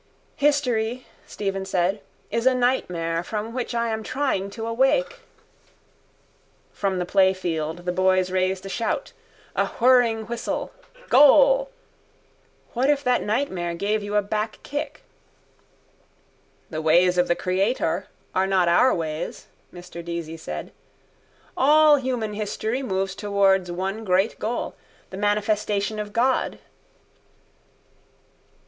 —History, Stephen said, is a nightmare from which I am trying to awake. From the playfield the boys raised a shout. A whirring whistle: goal. What if that nightmare gave you a back kick? —The ways of the Creator are not our ways, Mr Deasy said. All human history moves towards one great goal, the manifestation of God.